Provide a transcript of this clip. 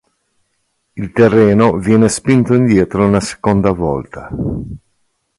Il terreno viene spinto indietro una seconda volta.